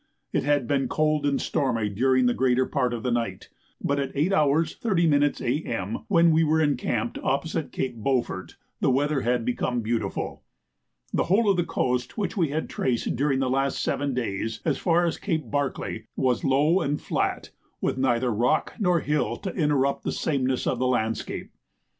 It had been cold and stormy during the greater part of the night; but at 8 h. 30 m. A.M., when we encamped opposite Cape Beaufort, the weather had become beautiful. The whole of the coast which we had traced during the last seven days, as far as Cape Barclay, was low and flat, with neither rock nor hill to interrupt the sameness of the landscape.